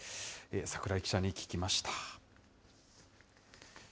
櫻井記者に聞きました。